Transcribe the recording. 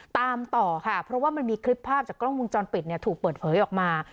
ตามต่อค่ะเพราะว่ามันมีคลิปภาพจากกล้องวงจรปิดเนี่ยถูกเปิดเผยออกมา